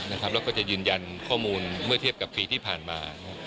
แล้วก็จะยืนยันข้อมูลเมื่อเทียบกับปีที่ผ่านมา